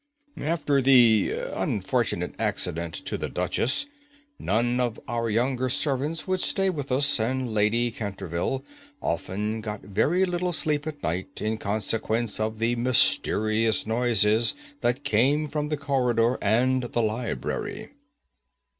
After the unfortunate accident to the Duchess, none of our younger servants would stay with us, and Lady Canterville often got very little sleep at night, in consequence of the mysterious noises that came from the corridor and the library."